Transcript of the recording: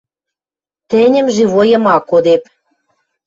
Тӹньӹм живойым ак кодеп.